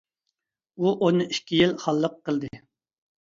ئۇ ئون ئىككى يىل خانلىق قىلدى.